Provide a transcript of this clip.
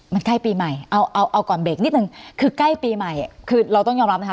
มันใกล้ปีใหม่เอาเอาก่อนเบรกนิดนึงคือใกล้ปีใหม่คือเราต้องยอมรับนะคะ